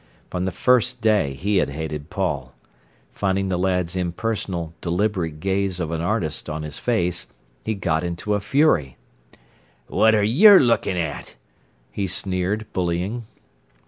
From the first day he had hated Paul. Finding the lad's impersonal, deliberate gaze of an artist on his face, he got into a fury. "What are yer lookin' at?" he sneered, bullying.